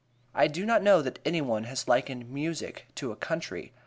I do not know that any one has likened music to a country.